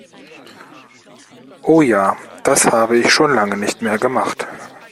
Oh ja, das habe ich schon lange nicht mehr gemacht!